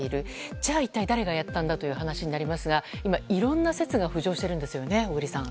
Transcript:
じゃあ一体誰がやったんだという話になりますが小栗さん、今、いろんな説が浮上しているんですよね。